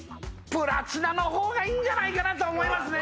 プラチナのほうがいいんじゃないかなと思いますね